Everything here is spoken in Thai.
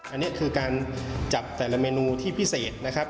อันนี้คือการจับแต่ละเมนูที่พิเศษนะครับ